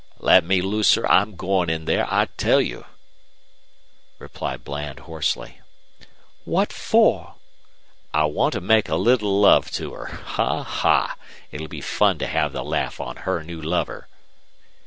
"Let me looser I'm going in there, I tell you!" replied Bland, hoarsely. "What for?" "I want to make a little love to her. Ha! ha! It'll be fun to have the laugh on her new lover."